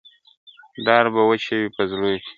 ډار به واچوي په زړوکي ..